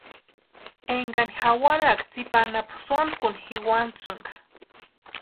Énkani jawaraka tsipa anapu sontku jikwasïnka.